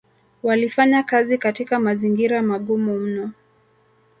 walifanya kazi katika mazingira magumu mno